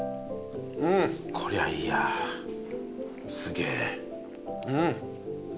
こりゃいいやすげえ。